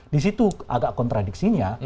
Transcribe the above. di situ agak kontradiksinya